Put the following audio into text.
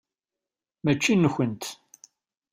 Mačči nkent.